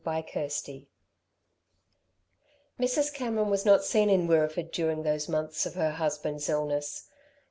CHAPTER XXIV Mrs. Cameron was not seen in Wirreeford during those months of her husband's illness.